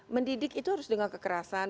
mendidik itu harus dengan kekerasan